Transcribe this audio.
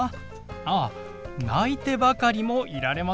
ああ泣いてばかりもいられません。